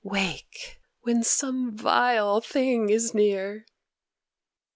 Wake when some vile thing is near."